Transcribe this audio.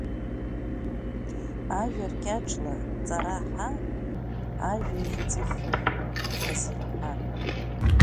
Ажәа ркьаҿла ҵара ҳа, ажәа еиҵыхла азырҳа!